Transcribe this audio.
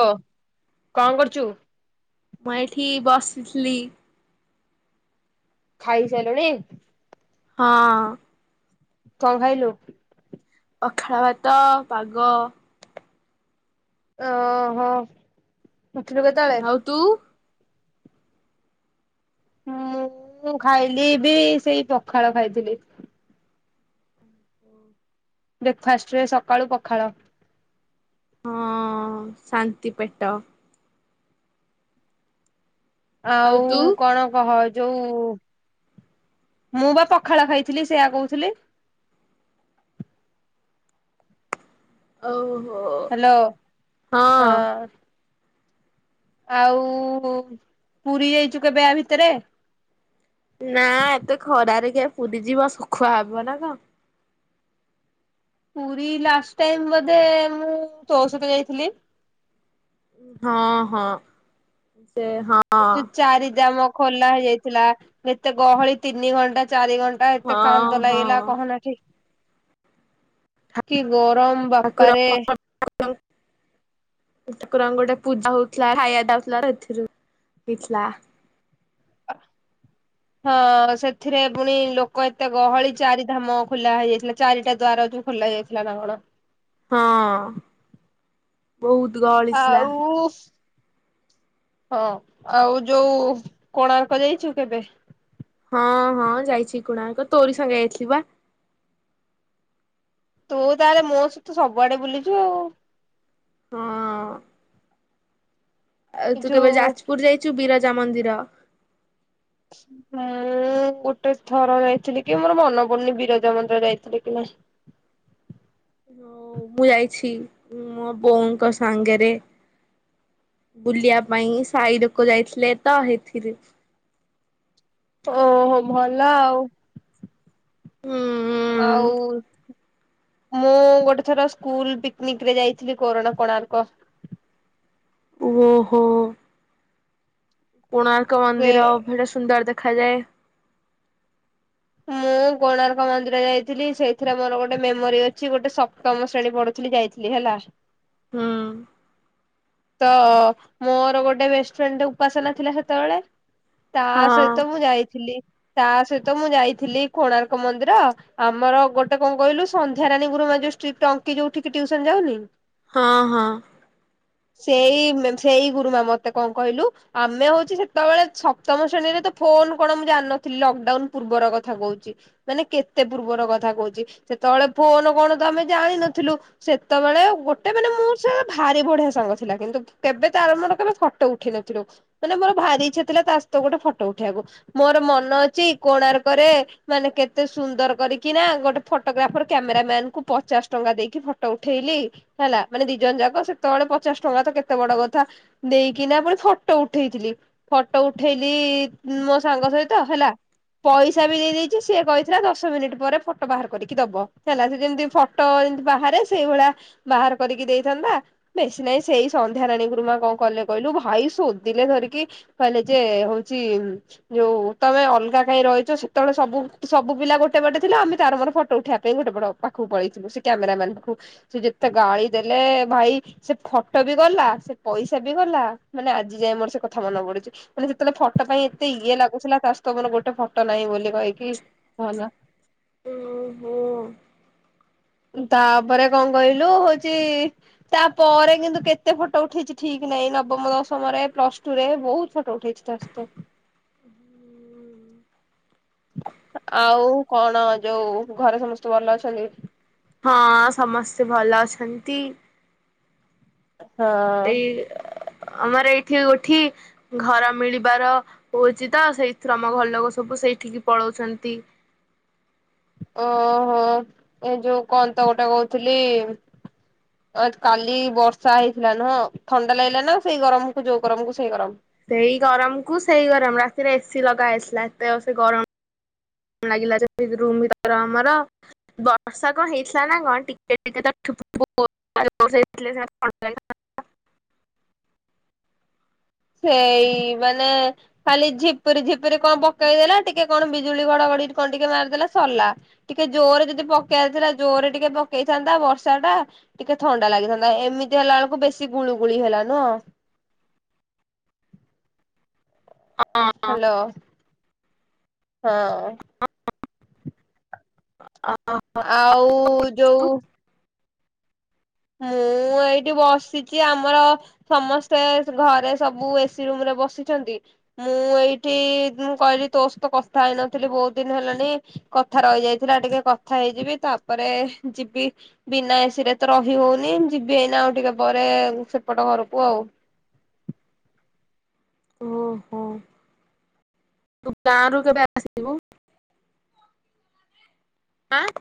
ଓ କଣ କରୁଛୁ? ମୁଁ ଏଇଠି ବସିଥିଲି। ଖାଇ ସାଇଲୁଣି। ହଁ। କଁ ଖାଇଲୁ? ଅଖାଳ ଭାତ, ପାଗ। ଓ ହୋ ଉଠିଲୁ କେତେବେଳେ? ଆଉ ତୁ। ମୁଁ ଖାଇଲି ବି ସେଇ ପଖାଳ ଖାଇଥିଲି। ହୁଁ। ବ୍ରେକ ଫାଷ୍ଟରେ ସକାଳୁ ପଖାଳ। ହଁ ଶାନ୍ତି ପେଟ। ଆଉ କଣ କହ ଯୋଉ ମୁଁ ବା ପଖାଳ ଖାଇଥିଲି ସେୟା କୋହୁଥୁଲି। ଓଉହୋ। ହ୍ୟାଲୋ ହଁ ଆଉ ପୁରୀ ଯାଇଚୁ କେବେ ୟା ଭିତରେ? ନା ଏତେ ଖରାରେ କିଏ ପୁରୀ ଯିବ ଶୁଖୁଆ ହବ ନା କଁ। ପୁରୀ ଲାଷ୍ଟ ଟାଇମ ବୋଧେ ମୁଁ ତୋ ସହିତ ଯାଇଥିଲି? ହଁ ହଁ ସେ ହଁ ଏ ଯୋଉ ଚାରି ଦାମ ଖୋଲା ହେଇଯାଇଥିଲା ଯେତେ ଗହଳି ତିନି ଘଣ୍ଟା ଚାରି ଘନ୍ ଣ୍ଟା ଏତେ ହଁ କାନ୍ଦ ହଁ ଲାଗଲା କହନା ଏଠି କି ଗରମ। ଠାକୁର ବାପାରେ [unintelligible] ଠାକୁରଙ୍କୁ ଗୋଟେ ପୂଜା ହୋଉଥୁଲା ଖାଇବା ଦିଆହୋଉଥିଲା ତ [unintelligible] ହେଇଥିଲା। [inaudible] ହଁ ସେଥିରେ ପୁଣି ଲୋକ ଏତେ ଗହଳି ଚାରି ଧାମ ଖୋଲା ହେଇଯାଇଥିଲା ଚାରିଟା ଦ୍ୱାର ଯୋଉ ଖୋଲା ଯାଇଥିଲା ନା କଣ? ହଁ ବୋହୁତ ଗହଳି ଥିଲା। ଆଉ ହଁ ଆଉ ଯୋଉ କୋଣାର୍କ ଯାଇଛୁ କେବେ? ହଁ ହଁ ଯାଇଛି କୋଣାର୍କ ତୋରି ସାଙ୍ଗେ ଯାଇଥିଲି ବା। ତୁ ତାହେଲେ ମୋ ସହିତ ସବୁଆଡେ ବୁଲିଚୁ ଆଉ। ହଁ। ଆଉ ତୁ କେବେ ଯୋଉ ଯାଜପୁର ଯାଇଚୁ ବିରଜା ମନ୍ଦିର। [unintelligible] ମୁଁ ଗୋଟେ ଥର ଯାଇଥିଲି କି ମୋରୋ ମନ ପଡୁନି ବିରଜା ମନ୍ଦିର ଯାଇଥିଲି କି ନାହିଁ। [unintelligible] ମୁଁ ଯାଇଛି ମୋ ବୋଉଙ୍କ ସାଙ୍ଗେରେ। ବୁଲିବା ପାଇଁ ସାଇ ଲୋକୋ ଯାଇଥିଲେ ତ ହେଇଥିରୁ। ଓହୋ ଭଲ ଆଉ। ହୁଁ। ଆଉ ମୁଁ ଗୋଟେ ଥର ସ୍କୁଲ ପିକନିକ ରେ ଯାଇଥିଲି କୋରୋଣ କୋଣାର୍କ। ଓହୋ। କୋଣାର୍କ ମନ୍ଦିର ସେ [unintelligible] ସୁନ୍ଦର ଦେଖାଯାଏ। ମୁଁ କୋଣାର୍କ ମନ୍ଦିର ଯାଇଥିଲି ସେଇଥିରେ ମୋରୋ ଗୋଟେ ମେମୋରି ଅଛି ଗୋଟେ ସପ୍ତମ ଶ୍ରେଣୀ ପଢୁ ଥୁଲି ଯାଇଥିଲି ହେଲା। ହୁଁ। ତ ମୋରୋ ଗୋଟେ ବେଷ୍ଟଫ୍ରେଣ୍ଡ୍ ଟେ ଉପାସନା ଥିଲା ସେତୋବେଳେ ତା ହଁ ସହିତ ମୁଁ ଯାଇଥିଲି ତା ସହିତ ମୁଁ ଯାଇଥିଲି କୋଣାର୍କ ମନ୍ଦିର ଆମର ଗୋଟେ କଁ କହିଲୁ ସନ୍ଧ୍ୟାରାଣୀ ଗୁରୁମା ଯୋଉ ଷ୍ଟ୍ରିକ୍ଟ ଅଙ୍କି ଯୋଉଠିକି ଟ୍ୟୁସନ ଯାଉନି। ହଁ ହଁ। ସେଇ ମେମ୍ ସେଇ ଗୁରୁମା ମତେ କଁ କହିଲୁ ଆମେ ହୋଉଚି ସେତୋବୋଳେ ସପ୍ତମ ଶ୍ରେଣୀରେ ତ ଫୋନ୍ କଣ ମୁଁ ଜାଣିନଥିଲି ଲକଡାଉନ ପୂର୍ବର କଥା କୋହୁଚି। ମାନେ କେତେ ପୂର୍ବର କଥା କୋହୁଚି ସେତୋବୋଳେ ଫୋନୋ କଣ ତ ଆମେ ଜାଣିନଥିଲୁ। ସେତୋବୋଳେ ଗୋଟେ ବେଲି ମୋର ସେ ଭାରି ବଢିଆ ସାଙ୍ଗ ଥିଲା କିନ୍ତୁ କେବେ ତାର ମୋରୋ କେବେ ଫଟ ଉଠିଇ ନଥିଲୁ। ମାନେ ମୋରୋ ଭାରି ଇଚ୍ଛା ଥିଲା ତାସହିତ ଗୋଟେ ଫଟ ଉଠେଇବାକୁ ମୋରୋ ମନ ଅଛି କୋଣାର୍କରେ ମାନେ କେତେ ସୁନ୍ଦର କରିକିନା ଗୋଟେ ଫଟୋଗ୍ରାଫର କ୍ୟାମେର ମ୍ୟାନ୍ କୁ ପଚାଶ ଟଙ୍କା ଦେଇକି ଫଟ ଉଠେଇଲି। ହେଲା ମାନେ ଦି ଜଣ ଯାକ ସେତୋବୋଳେ ପଚାଶ ଟଙ୍କା ତ କେତେ ବଡ କଥା। ଦେଇକିନା ପୁଣି ଫଟ ଉଠେଇଥିଲି। ଫଟ ଉଠେଇଲି ମୋ ସାଙ୍ଗ ସହିତ ହେଲା। ପଇସା ବି ଦେଇ ଦେଇଚି ସିଏ କହିଥିଲା ଦଶ ମିନିଟ ପରେ ଫ ଟ ବାହାର କରିକି ଦବ ହେଲା ସେ ଯେମତି ଫଟ ଯେନ୍ତି ବାହାରେ ସେଇ ଭଳିଆ ବାହାର କରିକି ଦେଇଥାନ୍ତା। ନାଇଁ ସେଇ ସନ୍ଧ୍ୟା ରାଣୀ ଗୁରୁ ମା କଣ କହିଲେ କହିଲୁ ଭାଇ ଶୋଧିଲେ ଧରିକି କହିଲେ ଯେ ହଉଛି ଯୋଉ ତମେ ଅଲଗା କାଇହିଁ ରହିଛ ସେତବେଳେ ସବୁ ସବୁ ପିଲା ଗୋଟେ ପଟେ ଥିଲାମେ ତାର ମୋର ଫଟୋ ଉଠେଇିବା ପାଇଁ ଗୋଟେ ପଟ ହବ ପାଖକୁ ପଳେଇଥିଲୁ ସେ କ୍ୟାମେର ମ୍ୟାନ କୁ ସେ ଯେତେ ଗାଳି ଦେଲେ ଭାଇ ଫୋଟୋ ବି ଗଲା ସେ ପଇସା ବି ଗଲା ମାନେ ଆଜି ଯାଇଏ ମୋର ସେ କଥା ମନେ ପଡୁଛି। ମାନେ ଯେତେବେଳେ ଫଟୋ ପାଇଁ ଏତେ ଇଏ ଲାଗୁଥିଲା ତାଷ ତ ମର ଗୋଟେ ଫଟୋ ନାହିଁ ବୋଲି କହିକି ଭଲ ଓ ହୋ ତାପରେ କଣ କହିଲୁ ହଉଛି ତାପରେ କିନ୍ତୁ କେତେ ଫଟୋ ଉଠେଇଛି ଠିକ ନାଇଁ ନବମ ଦଶମ ରେ ପ୍ଲସ ଟୁ ରେ ବହୁତ ଫଟୋ ଉଠେଇଛି। ତାସ୍ତ ଆଉ କଣ ଯୋଉ ଘରେ ସମସ୍ତେ ଭଲ ଅଛନ୍ତି। ହଁ ସମସ୍ତେ ଭଲ ଅଛନ୍ତି। ହଁ ଏଇ ଆମର ଏଇଠି ଗୋଠି ଘର ମିଳିବାର ହଉଛି ତ ସେଇଥିରୁ ତମ ଘରଲୋକ ସବୁ ସେଇଠିକି ପଳଉଛନ୍ତି। ଓହୋ ଏ ଯୋଉ କହନ୍ତ ଗୋଟେ କହୁଥିଲି କାଲି ବର୍ଷା ହେଇଥିଲା ନହଁ ଥଣ୍ଡା ଲାଗିଲା ନା ସେଇ ଗରମ କୁ ଯୋଉ ଗରମ କ ସେଇ ଗରମ ସେଇ ଗରମ କୁ ସେଇ ଗରମ ରାତିରେ ଏସି ଲଗା ହେଇସଥିଲାା ଏତେ ଅଛି ସେ ଗରମ ଲାଗିଲା ରୁମ ଭିତର ଆମର ବର୍ଷା କଣ ହେଇଥିଲା ନା କଣ ଟିକେ ଟିକେ ତ ସେଇ ମାନେ ଖାଲି ଝିପୁରି ଝିପୁରି କଣ ପକେଇ ଦେେଲା ଟିକେ କଣ ବିଜୁଳି ଘଡଘଡି କଣ ଟିକେ ମାରିଦେଲା ସରା ଟିକେ ଜୋରରେ ଯଦି ପକେଇ ଆାରିଥିଲା ଜୋର ରେ ଟିକେ ପକେଇଥାନ୍ତା ବର୍ଷା ଟା ଟିକେ ଥଣ୍ଡା ଲାଗିଥାନ୍ତା ଏମିତି ହେଲା ବେଳକୁ ବେଶୀ ଗୁଳୁ ଗୁଳି ହେଲା ନ ହ୍ୟାଲୋ ହଁ ହଁ ଆଉ ଯୋଉ ମୁଁ ଏଇଠି ବସିଛି ଆମର ସମସ୍ତେ ଘରେ ସବୁ ଏସି ରୁମରେ ବସିଛନ୍ତି ମୁଁ ଏଇଠି କହିଲି ତୋ ସହିତ କଥା ହେଇନଥିଲି ବହୁତ ଦିନ ହେଲାଣି କଥା ରହିଯାଇଥିଲା ଟିକେ କଥା ହେଇଯିବି ତାପରେ ଯିବି ବିନା ଏସିିରେ ତ ରହି ହଉନି ଯିବିନା ଆଉ ଟିକେ ପରେ ସେପଟ ଘରକୁ ଆଉ ଓହୋ ତୁ ଗାଁ ର କେବେ ଆସିବୁ ଆଁ